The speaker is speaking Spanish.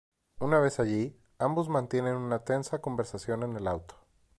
Una vez allí, ambos mantienen una tensa conversación en el auto.